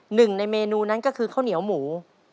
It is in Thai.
หนึ่งในเมนูนั้นก็คือข้าวเหนียวหมู